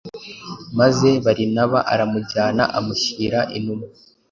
Maze Barinaba aramujyana, amushyira intumwa,